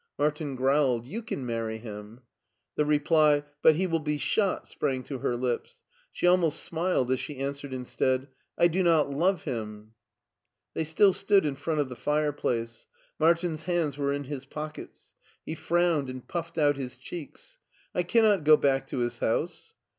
Martin growled, " You can marry him." The reply, " But he will be shot," sprang to her lips. She almost smiled as she answered instead, " I do not love him." They still stood in front of the fireplace. Martin's hands were in his pockets. He frowned and puffed out his cheeks. " I cannot go back to his house."